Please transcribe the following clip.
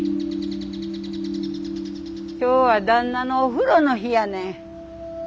今日は旦那のお風呂の日やねん。